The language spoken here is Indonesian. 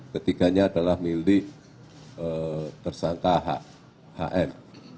ketiganya adalah milik tersangka hm